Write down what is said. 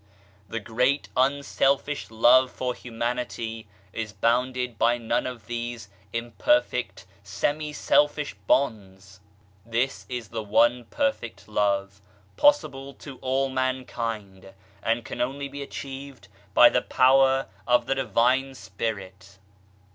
The great unselfish Love for Humanity is bounded by none of these imperfect, semi selfish bonds ; this is the one perfect Love, possible to all mankind, and can only be achieved by the Power of the Divine Spirit.